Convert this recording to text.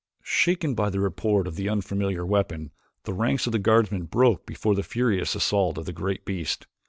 Shaken by the report of the unfamiliar weapon, the ranks of the guardsmen broke before the furious assault of the great beast.